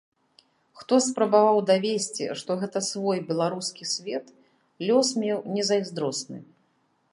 Хто спрабаваў давесці, што гэта свой, беларускі свет, лёс меў незайздросны.